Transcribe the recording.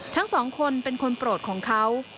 ทั้งสองคนเป็นคนโปรดของเขา